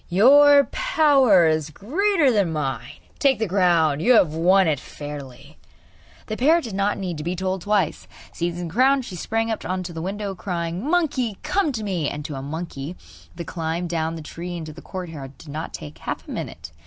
'Your power is greater than mine: take the crown; you have won it fairly!' The parrot did not need to be told twice. Seizing the crown, she sprang on to the window, crying: 'Monkey, come to me!' And to a monkey, the climb down the tree into the courtyard did not take half a minute.